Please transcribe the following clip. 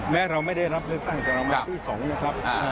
แม้เราไม่ได้รับเลือกตั้งแต่รางวัลที่๒นะครับ